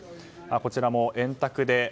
こちらも円卓で。